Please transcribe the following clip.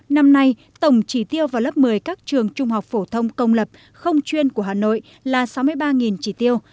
năm nay tổng trí tiêu vào lớp một mươi các trường trung học phổ thông công lập không chuyên của hà nội là sáu mươi ba chỉ tiêu